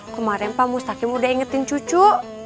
kemarin pak mustakim udah ingetin cucu